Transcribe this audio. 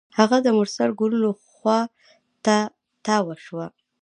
هغه د مرسل ګلونو خوا ته تاوه شوه.